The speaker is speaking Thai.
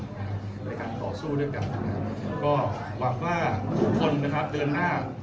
นะครับต่อสู้ด้วยกันนะครับก็หวังว่าทุกคนนะครับเดือนห้า